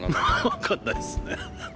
分かんないっすね。